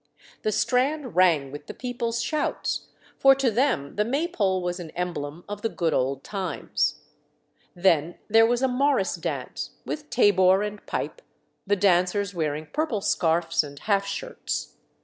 The Strand rang with the people's shouts, for to them the Maypole was an emblem of the good old times. Then there was a morris dance, with tabor and pipe, the dancers wearing purple scarfs and "half shirts."